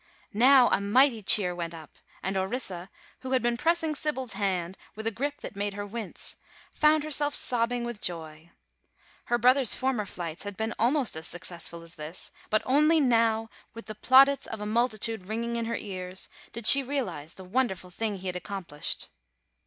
Now a mighty cheer went up, and Orissa, who had been pressing Sybil's hand with a grip that made her wince, found herself sobbing with joy. Her brother's former flights had been almost as successful as this; but only now, with the plaudits of a multitude ringing in her ears, did she realize the wonderful thing he had accomplished.